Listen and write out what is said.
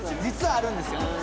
実はあるんですよ